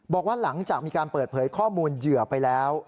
บอกว่าหลังจากมีการเปิดเผยข้อมูลเหยื่อไปแล้ว